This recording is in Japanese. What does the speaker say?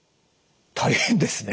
大変ですね。